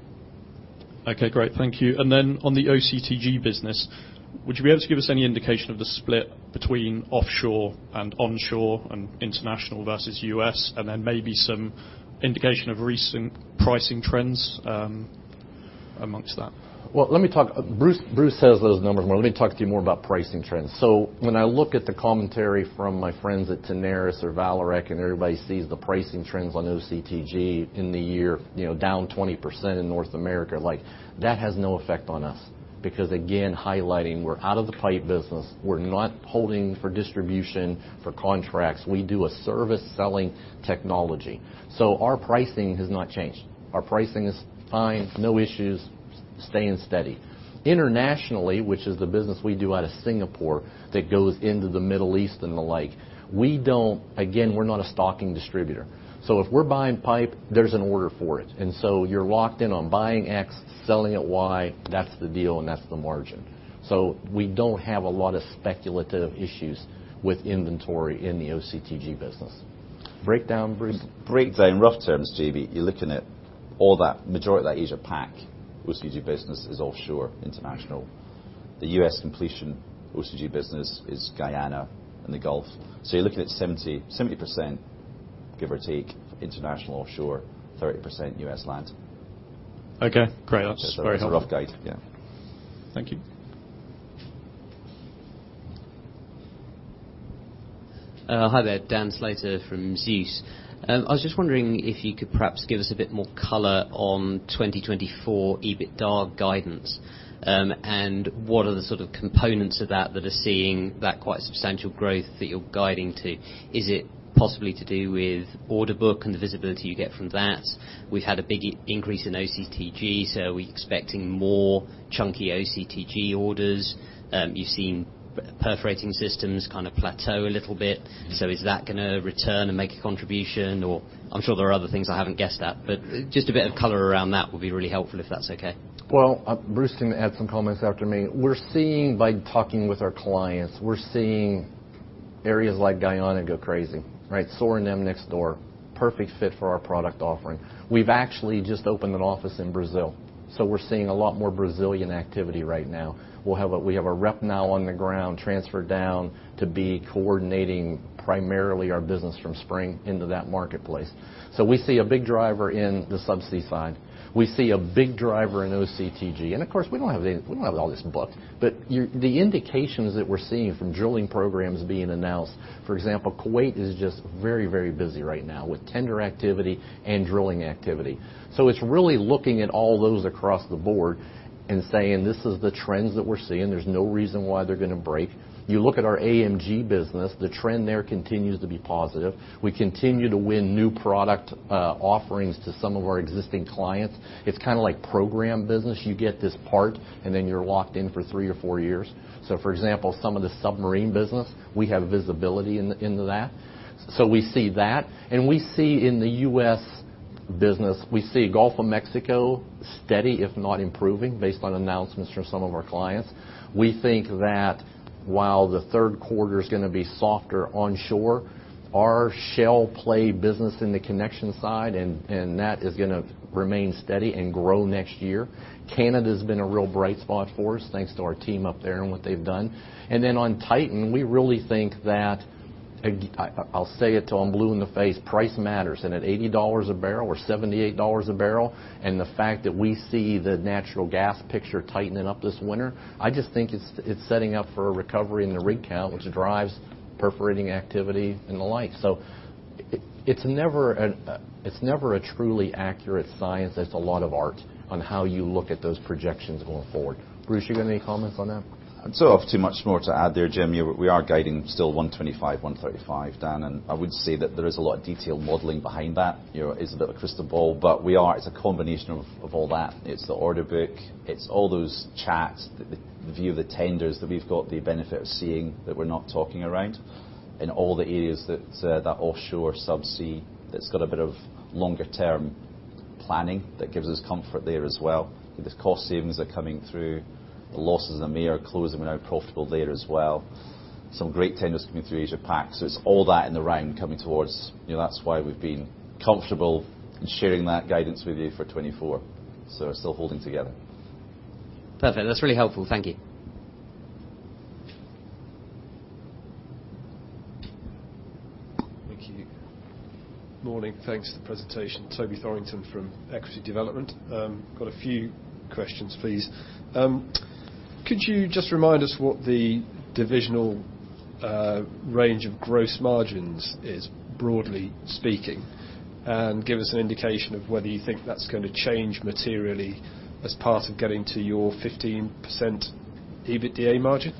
Okay, great. Thank you. And then on the OCTG business, would you be able to give us any indication of the split between offshore and onshore, and international versus US, and then maybe some indication of recent pricing trends, among that? Well, let me talk. Bruce, Bruce has those numbers, but let me talk to you more about pricing trends. So when I look at the commentary from my friends at Tenaris or Vallourec, and everybody sees the pricing trends on OCTG in the year, you know, down 20% in North America, like, that has no effect on us because, again, highlighting, we're out of the pipe business. We're not holding for distribution, for contracts. We do a service selling technology. So our pricing has not changed. Our pricing is fine, no issues, staying steady. Internationally, which is the business we do out of Singapore, that goes into the Middle East and the like, we don't, again, we're not a stocking distributor, so if we're buying pipe, there's an order for it. And so you're locked in on buying X, selling at Y. That's the deal, and that's the margin. So we don't have a lot of speculative issues with inventory in the OCTG business. Breakdown, Bruce? Breakdown, in rough terms, JB, you're looking at all that, majority of that Asia Pac, OCTG business is offshore, international. The US completion OCTG business is Guyana and the Gulf. So you're looking at 70%, give or take, international, offshore, 30% US land. Okay, great. That's very helpful. Just a rough guide, yeah. Thank you. Hi there, Dan Slater from Zeus. I was just wondering if you could perhaps give us a bit more color on 2024 EBITDA guidance, and what are the sort of components of that that are seeing that quite substantial growth that you're guiding to? Is it possibly to do with order book and the visibility you get from that? We've had a big increase in OCTG, so are we expecting more chunky OCTG orders? You've seen perforating systems kind of plateau a little bit, so is that gonna return and make a contribution? Or I'm sure there are other things I haven't guessed at, but just a bit of color around that would be really helpful, if that's okay. Well, Bruce can add some comments after me. We're seeing, by talking with our clients, we're seeing areas like Guyana go crazy, right? So are them next door. Perfect fit for our product offering. We've actually just opened an office in Brazil, so we're seeing a lot more Brazilian activity right now. We'll have a, we have a rep now on the ground, transferred down to be coordinating primarily our business from Spring into that marketplace. So we see a big driver in the subsea side. We see a big driver in OCTG. And of course, we don't have the, we don't have all this booked, but your, the indications that we're seeing from drilling programs being announced, for example, Kuwait is just very, very busy right now with tender activity and drilling activity. So it's really looking at all those across the board and saying, "This is the trends that we're seeing. There's no reason why they're gonna break." You look at our AMG business, the trend there continues to be positive. We continue to win new product offerings to some of our existing clients. It's kind of like program business. You get this part, and then you're locked in for three or four years. So for example, some of the submarine business, we have visibility in, into that. So we see that, and we see in the US business, we see Gulf of Mexico steady, if not improving, based on announcements from some of our clients. We think that while the third quarter is gonna be softer onshore, our shale play business in the connection side and that is gonna remain steady and grow next year. Canada's been a real bright spot for us, thanks to our team up there and what they've done. And then on Titan, we really think that, I, I'll say it till I'm blue in the face, price matters. And at $80 a barrel or $78 a barrel, and the fact that we see the natural gas picture tightening up this winter, I just think it's, it's setting up for a recovery in the rig count, which drives perforating activity and the like. So it, it's never an, it's never a truly accurate science. There's a lot of art on how you look at those projections going forward. Bruce, you got any comments on that? I don't have too much more to add there, Jim. Yeah, we are guiding still $125 to 135, Dan, and I would say that there is a lot of detailed modeling behind that. You know, it is a bit of a crystal ball, but we are, it's a combination of, of all that. It's the order book. It's all those chats, the, the view of the tenders that we've got the benefit of seeing, that we're not talking around, in all the areas that, that offshore subsea, that's got a bit of longer term planning that gives us comfort there as well. The cost savings are coming through. The losses in the MEA are closing, we're now profitable there as well. Some great tenders coming through Asia Pac. So it's all that in the round coming towards. You know, that's why we've been comfortable in sharing that guidance with you for 2024. So we're still holding together. Perfect. That's really helpful. Thank you. Thank you. Morning, thanks for the presentation. Toby Thornton from Equity Development. Got a few questions, please. Could you just remind us what the divisional range of gross margins is, broadly speaking? And give us an indication of whether you think that's going to change materially as part of getting to your 15% EBITDA margin.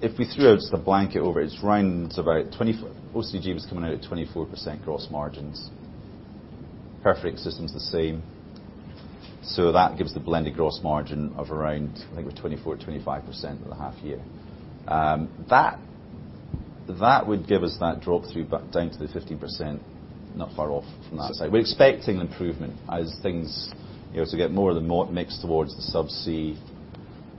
If we threw out the blanket over it, it's around about OCTG was coming out at 24% gross margins. Perforating systems, the same. So that gives the blended gross margin of around, I think, we're 24, 25% for the half year. That, that would give us that drop-through, but down to the 15%, not far off from that side. We're expecting improvement as things, you know, as we get more and more mix towards the Subsea,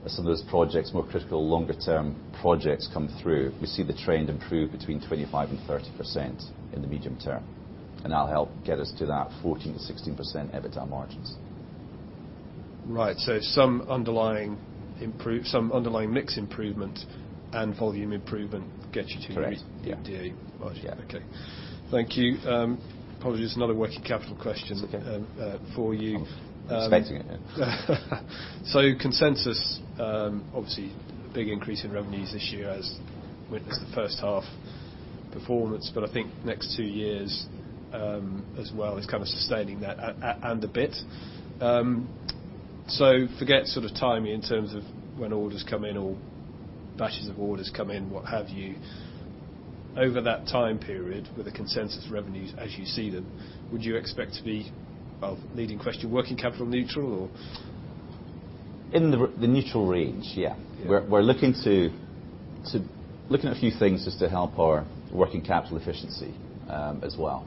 some of those projects, more critical, longer-term projects come through, we see the trend improve between 25% to 30% in the medium term, and that'll help get us to that 14% to 16% EBITDA margins. Right. So some underlying mix improvement and volume improvement get you to... Correct. The EBITDA margin. Yeah. Okay. Thank you. Probably just another working capital question... Okay. For you. Expecting it. So consensus, obviously, a big increase in revenues this year as witnessed the first half performance, but I think next two years, as well, is kind of sustaining that, and a bit. So forget sort of timing in terms of when orders come in or batches of orders come in, what have you. Over that time period, with the consensus revenues as you see them, would you expect to be, well, leading question, working capital neutral, or...? In the neutral range, yeah. Yeah. We're looking to look at a few things just to help our working capital efficiency, as well.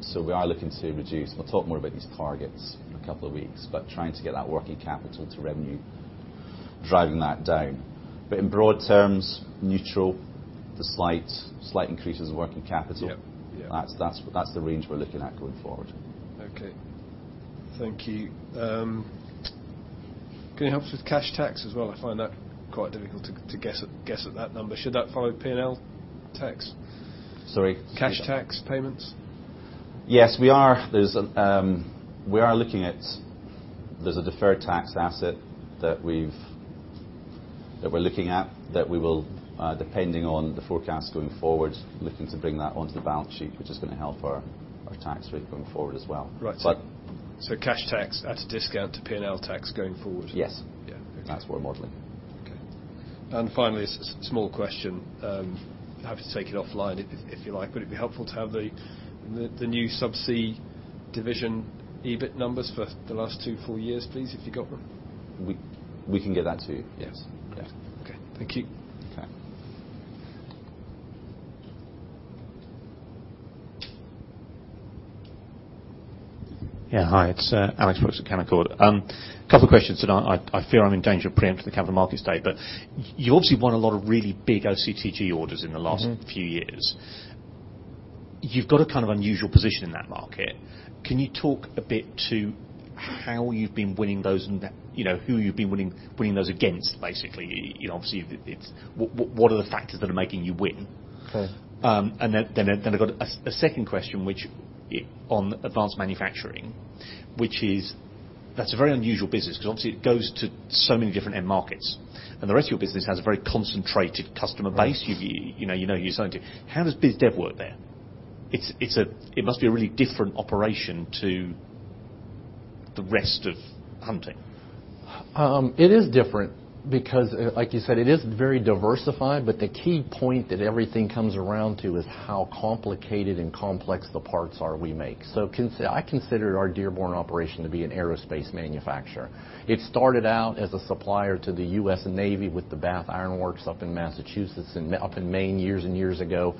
So we are looking to reduce. We'll talk more about these targets in a couple of weeks, but trying to get that working capital to revenue, driving that down. But in broad terms, neutral to slight increases in working capital. Yep. Yeah. That's the range we're looking at going forward. Okay. Thank you. Can you help us with cash tax as well? I find that quite difficult to guess at that number. Should that follow P&L tax? Sorry? Cash tax payments. Yes, we are. There's a deferred tax asset that we're looking at, that we will, depending on the forecast going forward, look to bring that onto the balance sheet, which is going to help our, our tax rate going forward as well. Right. But... So cash tax at a discount to P&L tax going forward? Yes. Yeah. That's what we're modeling. Okay. And finally, small question. Happy to take it offline if you like, would it be helpful to have the new subsea division EBIT numbers for the last two to four years, please, if you got them? We can get that to you. Yes. Yeah. Okay. Thank you. Okay. Yeah, hi, it's Alex Brooks at Canaccord. A couple of questions, and I fear I'm in danger of preempting the Capital Markets Day, but you obviously won a lot of really big OCTG orders in the last... Mm-hmm. Few years. You've got a kind of unusual position in that market. Can you talk a bit to how you've been winning those and that, you know, who you've been winning those against, basically? You know, obviously, it's what, what are the factors that are making you win? Sure. And then I've got a second question, which on Advanced Manufacturing, which is... That's a very unusual business, because obviously, it goes to so many different end markets, and the rest of your business has a very concentrated customer base. Right. You know who you're selling to. How does biz dev work there? It's a really different operation to the rest of Hunting. It is different because, like you said, it is very diversified, but the key point that everything comes around to is how complicated and complex the parts are we make. So I consider our Dearborn operation to be an aerospace manufacturer. It started out as a supplier to the US Navy with the Bath Iron Works up in Massachusetts, and up in Maine, years and years ago.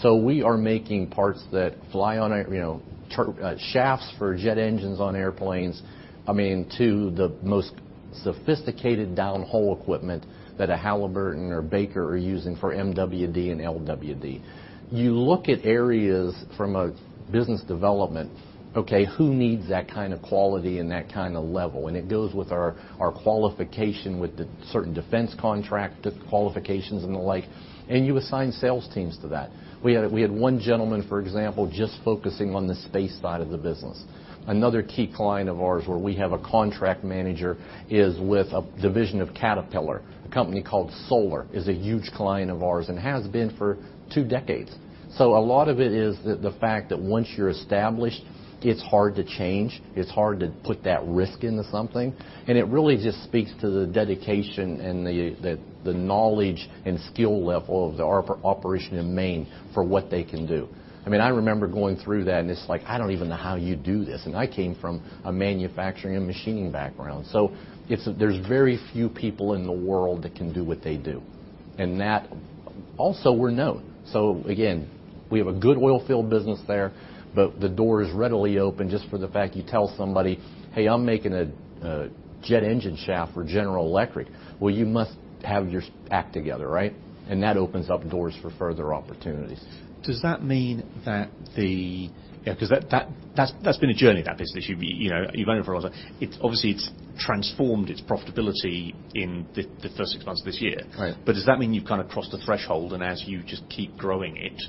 So we are making parts that fly on a, you know, shafts for jet engines on airplanes, I mean, to the most sophisticated downhole equipment that a Halliburton or Baker are using for MWD and LWD. You look at areas from a business development, okay, who needs that kind of quality and that kind of level? It goes with our qualification with the certain defense contract qualifications and the like, and you assign sales teams to that. We had one gentleman, for example, just focusing on the space side of the business. Another key client of ours, where we have a contract manager, is with a division of Caterpillar. A company called Solar is a huge client of ours and has been for two decades. So a lot of it is the fact that once you're established, it's hard to change, it's hard to put that risk into something, and it really just speaks to the dedication and the knowledge and skill level of the operation in Maine for what they can do. I mean, I remember going through that, and it's like, "I don't even know how you do this," and I came from a manufacturing and machining background. So it's, there's very few people in the world that can do what they do. And that, also we're known. So again, we have a good oilfield business there, but the door is readily open just for the fact you tell somebody, "Hey, I'm making a, a jet engine shaft for General Electric." Well, you must have your act together, right? And that opens up doors for further opportunities. Does that mean that the— Yeah, 'cause that's been a journey, that business. You know, you've owned it for a while. It— Obviously, it's transformed its profitability in the first six months of this year. Right. Does that mean you've kind of crossed the threshold, and as you just keep growing it,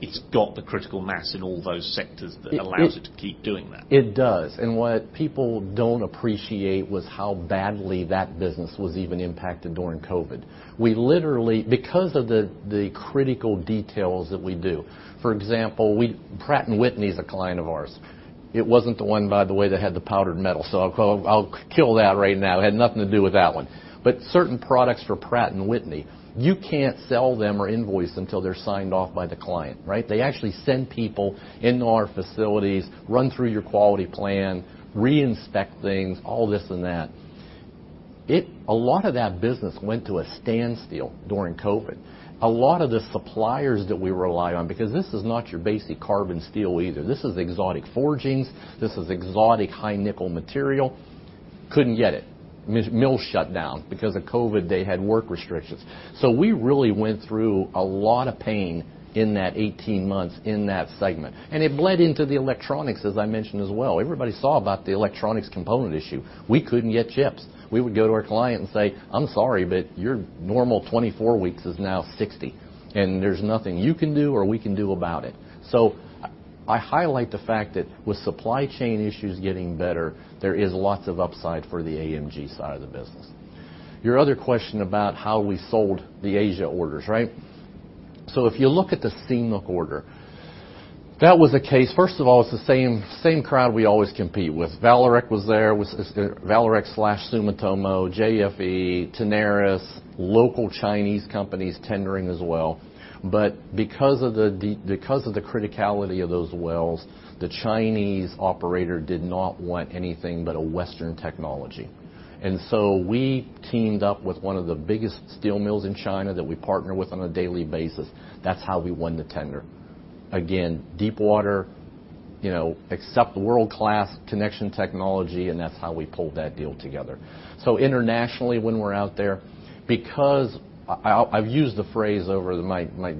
it's got the critical mass in all those sectors? It, it... That allows it to keep doing that? It does. And what people don't appreciate was how badly that business was even impacted during COVID. We literally, because of the critical details that we do, for example, we, Pratt & Whitney is a client of ours. It wasn't the one, by the way, that had the powdered metal, so I'll, I'll kill that right now. It had nothing to do with that one. But certain products for Pratt & Whitney, you can't sell them or invoice until they're signed off by the client, right? They actually send people into our facilities, run through your quality plan, reinspect things, all this and that. It. A lot of that business went to a standstill during COVID. A lot of the suppliers that we rely on, because this is not your basic carbon steel either. This is exotic forgings. This is exotic high nickel material. Couldn't get it. Mills shut down. Because of COVID, they had work restrictions. So we really went through a lot of pain in that 18 months in that segment, and it bled into the electronics, as I mentioned as well. Everybody saw about the electronics component issue. We couldn't get chips. We would go to our client and say, "I'm sorry, but your normal 24 weeks is now 60, and there's nothing you can do or we can do about it." So I highlight the fact that with supply chain issues getting better, there is lots of upside for the AMG side of the business. Your other question about how we sold the Asia orders, right? So if you look at the Seamok order, that was a case... First of all, it's the same, same crowd we always compete with. Vallourec was there, with Vallourec slash Sumitomo, JFE, Tenaris, local Chinese companies tendering as well. But because of the criticality of those wells, the Chinese operator did not want anything but a Western technology. And so we teamed up with one of the biggest steel mills in China that we partner with on a daily basis. That's how we won the tender. Again, deep water, you know, except world-class connection technology, and that's how we pulled that deal together. So internationally, when we're out there, because I, I've used the phrase over my, my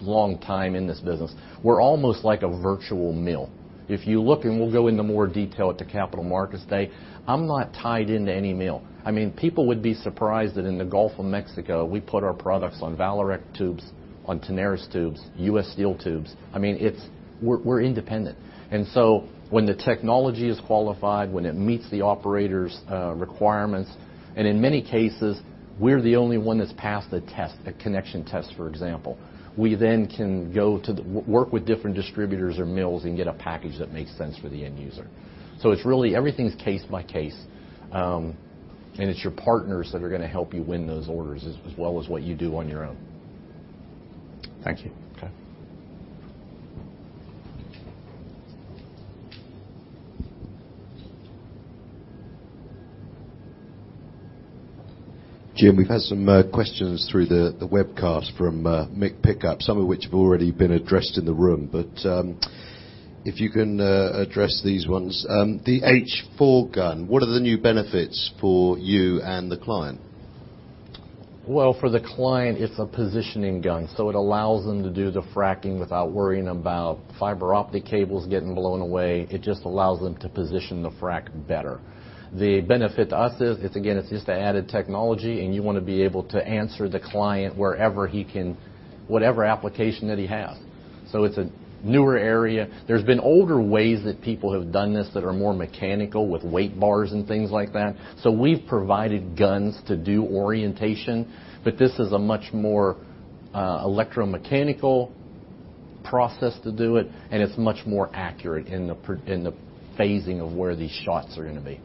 long time in this business, we're almost like a virtual mill. If you look, and we'll go into more detail at the Capital Markets Day, I'm not tied into any mill. I mean, people would be surprised that in the Gulf of Mexico, we put our products on Vallourec tubes, on Tenaris tubes, US Steel tubes. I mean, it's – we're independent. So when the technology is qualified, when it meets the operator's requirements, and in many cases, we're the only one that's passed the test, the connection test, for example, we then can go to the – work with different distributors or mills and get a package that makes sense for the end user. So it's really, everything's case by case, and it's your partners that are going to help you win those orders, as well as what you do on your own. Thank you. Okay. Jim, we've had some questions through the webcast from Mick Pickup, some of which have already been addressed in the room. But if you can address these ones. The H-4 Gun, what are the new benefits for you and the client? Well, for the client, it's a positioning gun, so it allows them to do the fracking without worrying about fiber optic cables getting blown away. It just allows them to position the frack better. The benefit to us is, it's again, it's just an added technology, and you want to be able to answer the client wherever he can, whatever application that he has. So it's a newer area. There's been older ways that people have done this that are more mechanical, with weight bars and things like that. So we've provided guns to do orientation, but this is a much more electromechanical process to do it, and it's much more accurate in the phasing of where these shots are going to be.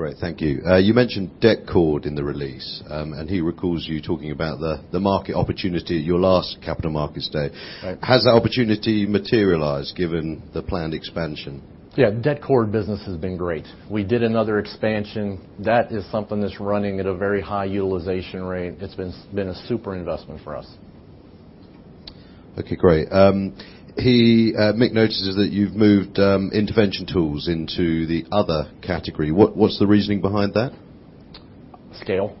Great, thank you. You mentioned Detcord in the release, and he recalls you talking about the market opportunity at your last Capital Markets Day. Right. Has that opportunity materialized, given the planned expansion? Yeah, Detcord business has been great. We did another expansion. That is something that's running at a very high utilization rate. It's been a super investment for us. Okay, great. Mick notices that you've moved intervention tools into the other category. What's the reasoning behind that? Scale.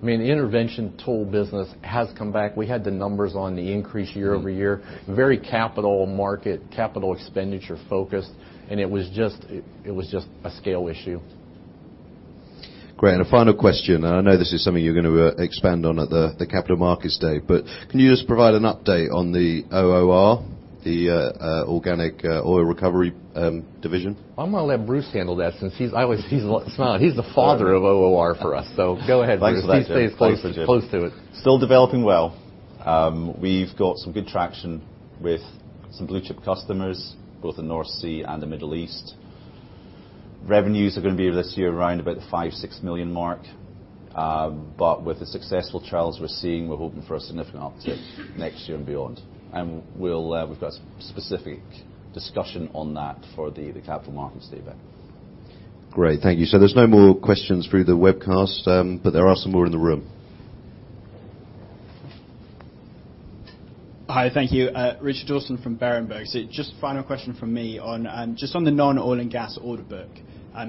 I mean, the intervention tool business has come back. We had the numbers on the increase year-over-year. Mm-hmm. Very capital market, capital expenditure focused, and it was just a scale issue. Great, and a final question, and I know this is something you're going to expand on at the Capital Markets Day, but can you just provide an update on the OOR, the Organic Oil Recovery division? I'm gonna let Bruce handle that, since I always see he's smiling. He's the father of OOR for us. So go ahead, Bruce. Thanks for that, Jim. He stays close, close to it. Still developing well. We've got some good traction with some blue-chip customers, both in North Sea and the Middle East. Revenues are going to be, this year, around $5 to 6 million. But with the successful trials we're seeing, we're hoping for a significant uptick next year and beyond. And we'll, we've got specific discussion on that for the, the Capital Markets Day event.... Great. Thank you. So there's no more questions through the webcast, but there are some more in the room. Hi, thank you. Richard Dawson from Berenberg. So just final question from me on just on the non-oil and gas order book.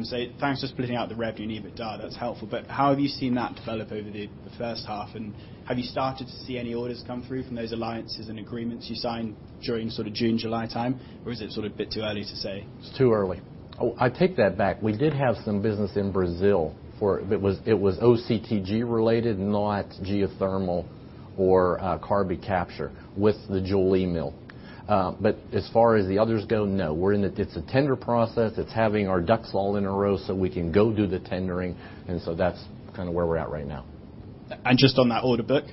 So thanks for splitting out the revenue EBITDA, that's helpful. But how have you seen that develop over the first half? And have you started to see any orders come through from those alliances and agreements you signed during sort of June, July time? Or is it sort of a bit too early to say? It's too early. Oh, I take that back. We did have some business in Brazil, for-- it was, it was OCTG related, not geothermal or, carbon capture with the Joule mill. But as far as the others go, no. We're in the-- It's a tender process. It's having our ducks all in a row so we can go do the tendering, and so that's kind of where we're at right now. Just on that order book,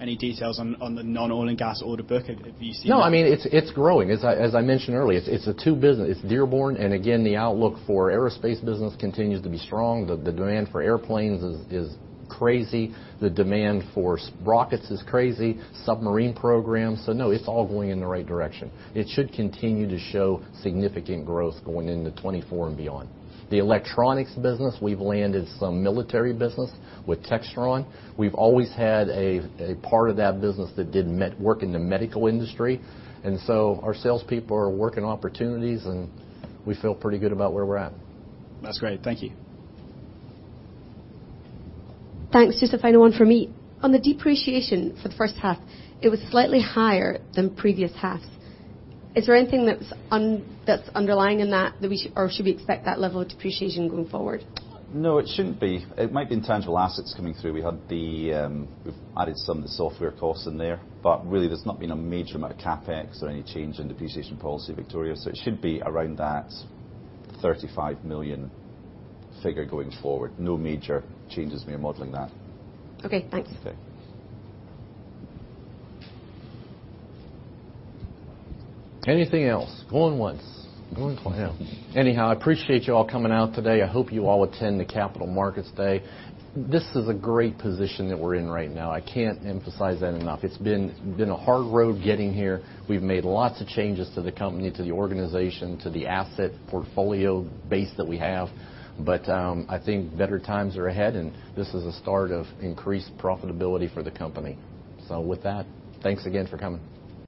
any details on the non-oil and gas order book, have you seen- No, I mean, it's growing. As I mentioned earlier, it's a two business. It's Dearborn, and again, the outlook for aerospace business continues to be strong. The demand for airplanes is crazy. The demand for rockets is crazy, submarine programs. So no, it's all going in the right direction. It should continue to show significant growth going into 2024 and beyond. The electronics business, we've landed some military business with Textron. We've always had a part of that business that did work in the medical industry, and so our salespeople are working opportunities, and we feel pretty good about where we're at. That's great. Thank you. Thanks. Just a final one from me. On the depreciation for the first half, it was slightly higher than previous halves. Is there anything that's underlying in that, that we should... or should we expect that level of depreciation going forward? No, it shouldn't be. It might be in tangible assets coming through. We've added some of the software costs in there, but really, there's not been a major amount of CapEx or any change in depreciation policy, Victoria. So it should be around that $35 million figure going forward. No major changes in your modeling that. Okay, thanks. Okay. Anything else? Going once, going twice. Anyhow, I appreciate you all coming out today. I hope you all attend the Capital Markets Day. This is a great position that we're in right now. I can't emphasize that enough. It's been a hard road getting here. We've made lots of changes to the company, to the organization, to the asset portfolio base that we have, but I think better times are ahead, and this is a start of increased profitability for the company. So with that, thanks again for coming.